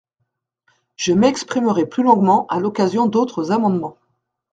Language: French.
Je m’exprimerai plus longuement à l’occasion d’autres amendements.